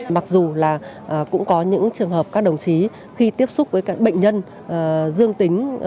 mặc dù là cũng có những trường hợp các đồng chí khi tiếp xúc với các bệnh nhân dương tính